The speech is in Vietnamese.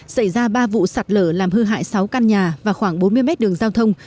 xảy ra ba vụ sạt lở làm hư hại sáu căn nhà và khoảng bốn mươi mét đường giao thông